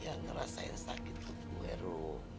yang ngerasa yang sakit tuh gue ruh